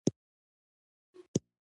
چې په سیمه کې اړو دوړ جوړ کړي